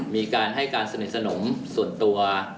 มีการให้การสนิทสนมส่วนตัว